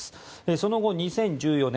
その後、２０１４年